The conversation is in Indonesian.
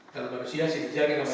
kalau manusia sidik jari manusia